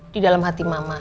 di dalam hati mama